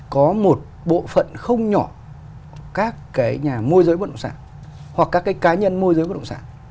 có một bộ phận không nhỏ các cái nhà môi giới bất động sản hoặc các cái cá nhân môi giới bất động sản